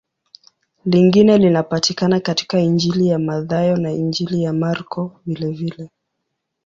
Lingine linapatikana katika Injili ya Mathayo na Injili ya Marko vilevile.